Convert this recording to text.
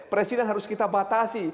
presiden harus kita batasi